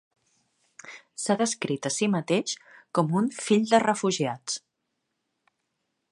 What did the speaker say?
S'ha descrit a si mateix com un "fill de refugiats".